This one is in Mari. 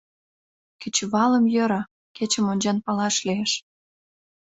— Кечывалым, йӧра, кечым ончен палаш лиеш.